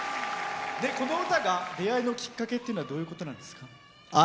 この歌が出会いのきっかけっていうのはどういうことなんですか？